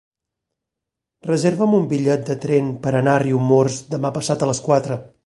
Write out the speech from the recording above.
Reserva'm un bitllet de tren per anar a Riumors demà passat a les quatre.